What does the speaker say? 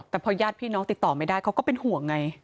แต่พอญาติพี่น้องติดต่อไม่ได้เขาก็เป็นห่วงไง